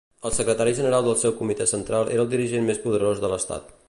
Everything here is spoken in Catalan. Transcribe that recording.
El secretari general del seu Comitè Central era el dirigent més poderós de l'Estat.